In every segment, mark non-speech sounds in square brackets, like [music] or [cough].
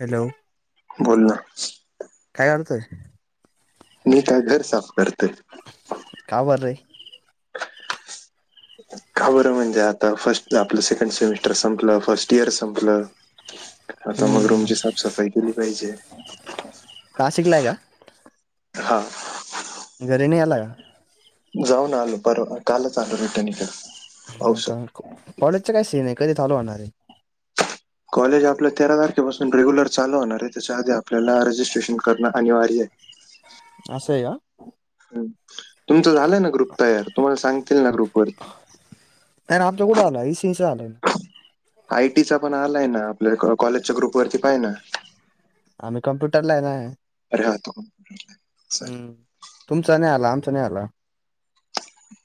Hello. बोल ना. काय करतोय? नता घर साफ कर कार र [unintelligible] का बरं म्हणजे आता फर्ट आपलं सेकंड सेमिस्टर संपलं फर्स्ट इयर संपलं आता मग हम्म रूमची साफ सफाई केली पाहिजे. नाशिकला या. हा. घरी नाही अला का. जाऊन आलो पर कालच आलो रिटर्न इकडं. हा का कॉलेजच्या काय सीन आहे कधी चालू होणार ये. कॉलेज आपलं तेरा तारखेपासून रेग्युलर चालू होणार आहे त्याच्या आधी आपल्याला रजिस्ट्रेशन करणं अनिवार्य आहे. [inaudible] अस आहे का? आहे तुमचं झालंय ना ग्रुप तयार तुम्हाला सांगतील ना ग्रुप वरती [inaudible] तर आमचा कुठं आलाय इ स आलय ना. आयटीचा पण आलाय ना आपल्या कॉ-कॉलेजच्या ग्रुप वरती पाय ना. आम्ही कम्प्युटर ला आहे ना. राहतो. [inaudible] हम्म, तुमचा नाही आला. आमचा नाही आला.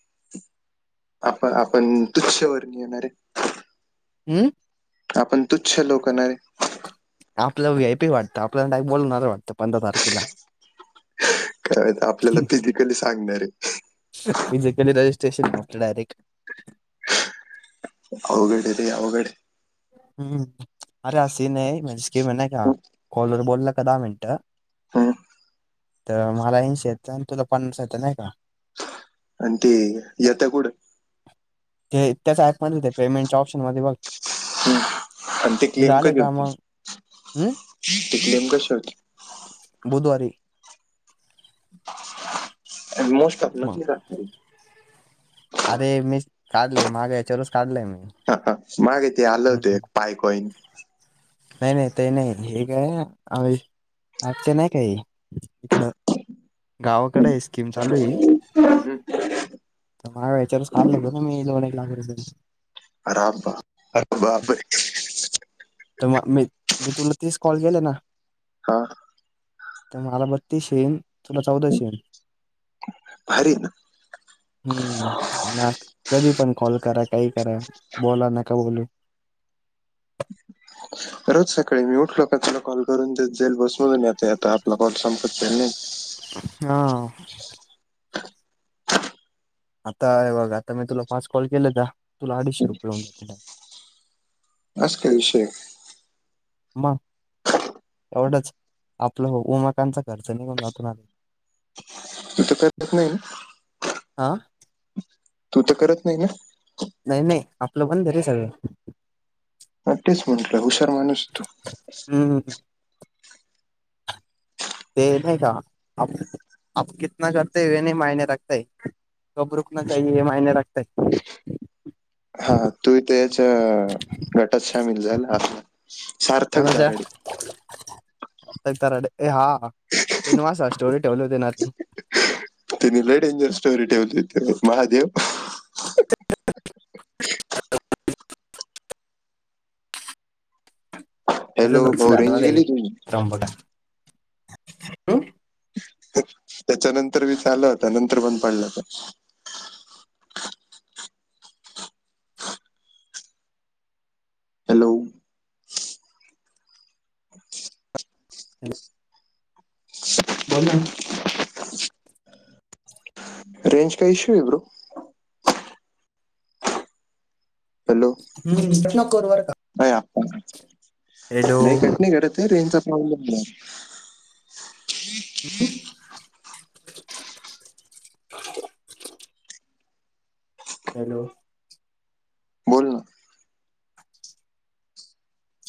[inaudible] आपण, आपण तुच्छ वर्णीय ना रे. हम्म. आपण तुच्छ लोक ना रे. आपला वियपीवाटतं आपल्याला नाही बोलणार वाटतं पंधरा तारखेला. [inaudible] काय तर आपल्याला फिजिकली सांगणार आहेत. स्टेशन आपल डायरेक्ट [inaudible] अवघड आहे रे अवगडे. [unintelligible] हा. तर मला इनश येत तुला पनास येत नाही का? आणि ते येत कुठं. ते त्याच ऍप मध्ये येते पेमेंटच्या ऑप्शन मध्ये बघ. हम्म. आणि ते तिथं क्लेम आले कधी का मग होतील हम्म ते क्लेम कशी होते. बुधवारी मोस्ट टपला मग की रात्री. अरे मीच काढलय माज्या हेच्यावरूनच काढलय. हा हा मागे ते आलं होत एक पायकॉइन नाही नाही तेही नाही हे काय औ अचानक आहे हे इकड. गावाकड ही स्कीम चालूए. [inaudible] माझ्या याच्यावरच काढल होत ना मी दोन एक लाख रुपये. आराबा अरे बापरे. तर मग मी मी तुला तीस कॉल केेले ना हा. तर मला बत्तीस शेन तला चौदा शेन. भारीए ना. हम्म आणि कधी पण कॉल करा काही करा बोला नका बोलू रोज सकाळी मी उठलो का तुला कॉल करून ते जाईल बसमून येत आता आपला कॉल संपत जाईल नाही. हा. आता हे बघ आता मी तुला पाच कॉल केलेता. तुला अडीचशे रुपये होवून जात्याता. बास काय विषय. म एवढंच आपलं हो उमाकांचा खर्च निघून जातोना. तू तर करत नाही हा [inaudible] तू तर करत नाही ना? नाही नाही आपलं पण रे सगळं. न तेच म्हंटलं हुशार माणूस तो. [inaudible] हम्म ते नाही का अ अ कितना करते वे नाही मयने रखत कब रुकना चाहिए ये मायने रखता हैं. हा तू ही तेच गटात शमील झाल आपला. सार्थक दाराडे कोणाच्यात ए हा तेनवास स्टोरी वल देणार तिनी लडेंजर स्टोरी ठेवली त महादेव त्याच्या हॅलो भाऊ रेंज झालं गेली तुझी काम ब का त्याच्या नंतर मी ल होता नंतर पण पडलं होत हॅलो ह बोला ना. रेंज का इशु ये ब्रो. हॅलो हम्. तसं नको करू बर का. नाही आप्पा. हॅलो नाही कट नाही करते. रेंज चा प्रॉब्लेम ये. हम्म. हॅलो. बोल ना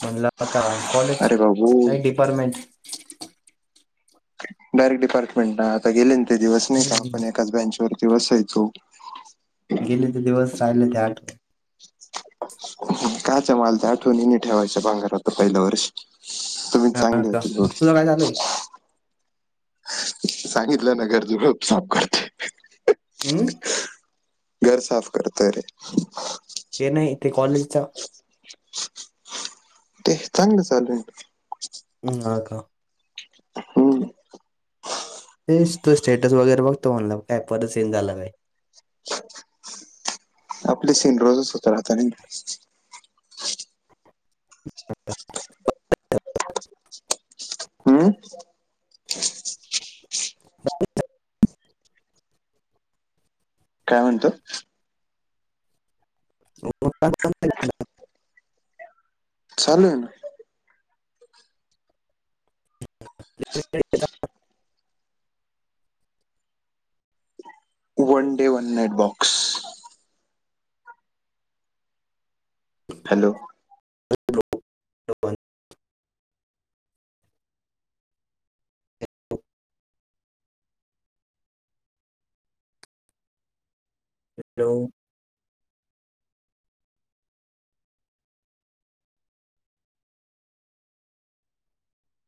म्हणलं आता कॉलेज अरे बाबू काही डिपार्टमेंट. डयरेट डिपार्टमेंट ना आता गेलन ते दिवस हम्म कापका बँंच वर. दिवस यय तो. गेले ते दिवस राहिले ते आठ काचा मालत्या आठवणी नाई ठेवायच्या, भांगारात पहिल्या वर्षी. तुम्ही हा चांगले का होते. तुझं काय चालू आहे सांगितलं ना गरजूलाप साफ करते. हम्म घर साफ करत रे. ते नाही ते कॉलेजचा ते चांगलं चालूय. हा का हम. ते तो स्टेटस वगैरे बघतो ऑनला ऍपवरच सेंज झाला काय? आपले सीन रोजच होत राहत आणि हम्म? काय म्हणतो? [unintelligible] चालू आहे ना. [unintelligible] One day one night box. Hello. Baban. Hello.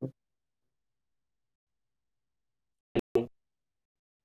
ह.